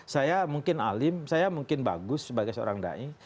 saya mungkin alim saya mungkin bagus sebagai seorang dai